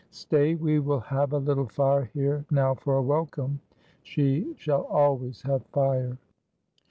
Stay, we will have a little fire here now for a welcome. She shall always have fire."